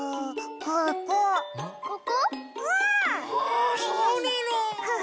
あそうなの！